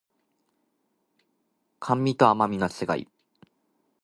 甘味と甘味の違い